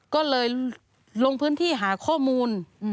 ก็เลยลงพื้นที่หาข้อมูล